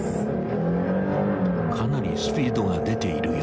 ［かなりスピードが出ているようだ］